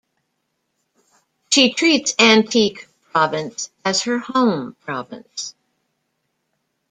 She treats Antique province as her home province.